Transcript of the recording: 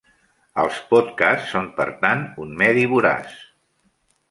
Els podcasts són per tant un medi voraç.